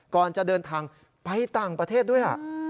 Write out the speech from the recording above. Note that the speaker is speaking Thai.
ก่อนจะเดินทางไปต่างประเทศด้วย